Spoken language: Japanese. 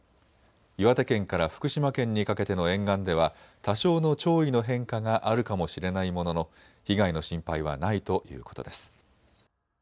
岩手県から福島県にかけての沿岸では多少の潮位の変化があるかもしれないものの被害の心配はないということです。